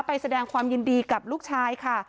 ไปแสดงความยินดีกับลูกชายค่ะ